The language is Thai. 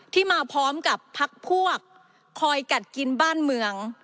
ที่มาพร้อมกับพักพวกคอยกัดกินบ้านเมือง